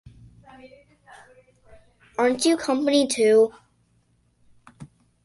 Aren't you company too?